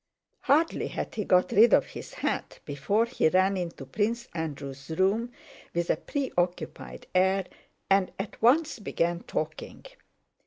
Hardly had he got rid of his hat before he ran into Prince Andrew's room with a preoccupied air and at once began talking.